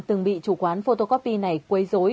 từng bị chủ quán photocopy này quấy dối